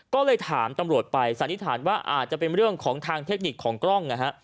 ก็เลยถามตำรวจไปสันนิษฐานว่าอาจจะเป็นเรื่องของทางเทคนิคของกล้องนะฮะ